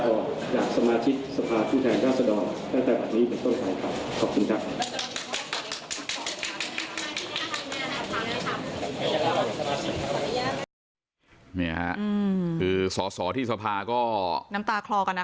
ผมไม่สามารถทำบาปมันได้ครับ